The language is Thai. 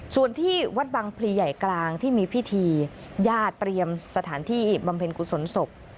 ส่วนที่วัดบังพลีใหญ่กลางที่มีพิธีญาติเตรียมสถานที่บำเพ็ญกุศลศพ